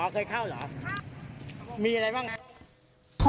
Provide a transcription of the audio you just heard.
เคยเข้าเหรอมีอะไรบ้างครับ